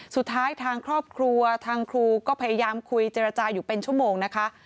ทางครอบครัวทางครูก็พยายามคุยเจรจาอยู่เป็นชั่วโมงนะคะ